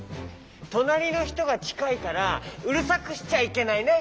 となりのひとがちかいからうるさくしちゃいけないね。